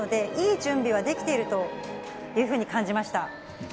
いい準備はできているというふうに感じました。